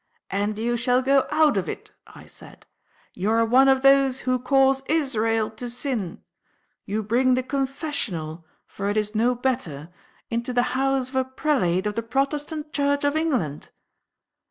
"And you shall go out of it," I said. "You are one of those who cause Israel to sin. You bring the Confessional, for it is no better, into the house of a Prelate of the Protestant Church of England!"